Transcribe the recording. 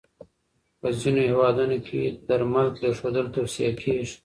په ځینو هېوادونو کې درمل پرېښودل توصیه کېږي.